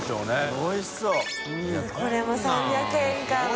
これも３００円かまた。